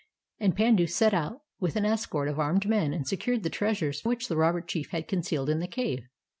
And Pandu set out with an escort of armed men and secured the treasures which the robber chief had concealed in the cave.